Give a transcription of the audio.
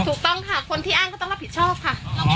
ถูกต้องค่ะคนที่อ้างก็ต้องรับผิดชอบค่ะ